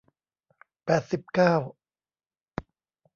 แปดสิบเก้า